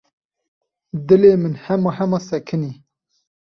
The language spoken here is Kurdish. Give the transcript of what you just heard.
Dilê min hema hema sekinî.